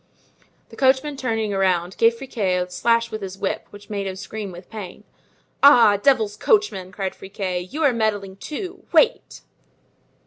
The coachman turning around, gave Friquet a slash with his whip which made him scream with pain. "Ah! devil's coachman!" cried Friquet, "you're meddling too! Wait!"